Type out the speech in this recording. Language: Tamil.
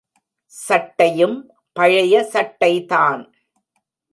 சட்டையும் பழைய சட்டைதான்.